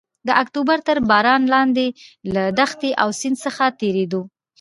د اکتوبر تر باران لاندې له دښتې او سیند څخه تېرېدو.